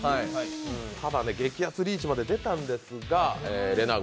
激熱リーチまで出たんですが。